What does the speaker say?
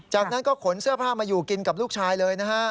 จากนั้นก็ขนเสื้อผ้ามาอยู่กินกับลูกชายเลยนะฮะ